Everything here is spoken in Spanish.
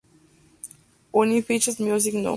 Unfinished Music No.